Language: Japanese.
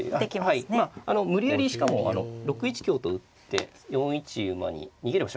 はいまあ無理やりしかも６一香と打って４一馬に逃げる場所